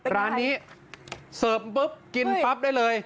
ร้านนี้เสิร์ฟปุ๊บกินปั๊บได้เลย